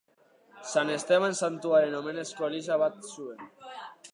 San Esteban santuaren omenezko eliza bat zuen.